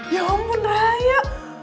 ya ampun raya